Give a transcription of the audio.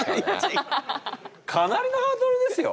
かなりのハードルですよ！